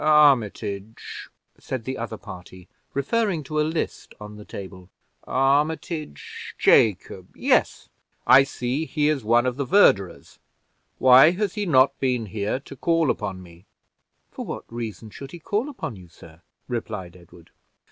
"Armitage!" said the other party, referring to a list on the table; "Armitage Jacob yes I see he is one of the verderers. Why has he not been here to call upon me?" "For what reason should he call upon you, sir?" replied Edward.